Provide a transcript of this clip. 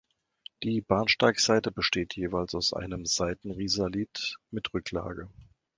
Die Bahnsteigseite besteht jeweils aus einem Seitenrisalit mit Rücklage.